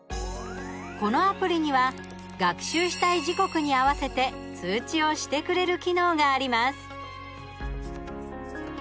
このアプリには学習したい時刻に合わせて通知をしてくれる機能があります。